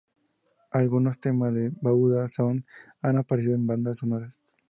Algunos temas de Buddha Sounds han aparecido en bandas sonoras.